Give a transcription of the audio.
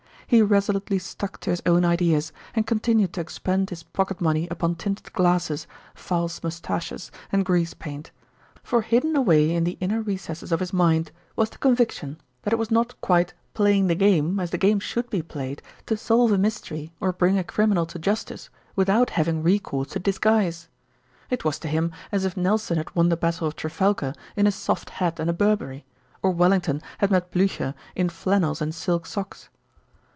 He resolutely stuck to his own ideas, and continued to expend his pocket money upon tinted glasses, false moustaches and grease paint; for hidden away in the inner recesses of his mind was the conviction that it was not quite playing the game, as the game should be played, to solve a mystery or bring a criminal to justice without having recourse to disguise. It was to him as if Nelson had won the Battle of Trafalgar in a soft hat and a burberry, or Wellington had met Blücher in flannels and silk socks.